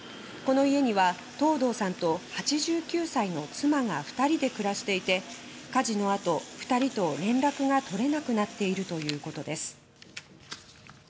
この家には藤堂さんと８９歳の妻が２人で暮らしていて火事のあと２人と連絡が取れなくなっているということです。